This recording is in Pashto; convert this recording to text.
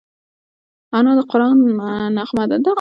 انا د قرآن نغمه ده